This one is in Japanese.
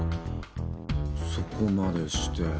そこまでして。